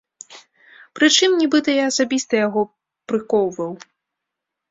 Прычым нібыта я асабіста яго прыкоўваў!